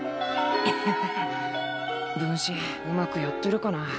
分身うまくやってるかな。